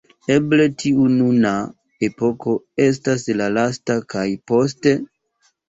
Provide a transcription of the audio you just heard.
Eble tiu nuna epoko estas la lasta, kaj poste?